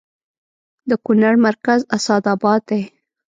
د کونړ مرکز اسداباد دی